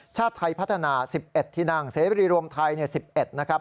ชาติไทยพัฒนา๑๑ที่นั่งเสบรีรวมไทย๑๑นะครับ